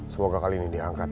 semoga kali ini diangkat